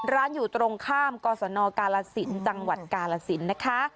ร้านอยู่ตรงข้ามกสนกาลสินทร์จังหวัดกาลสินทร์นะคะ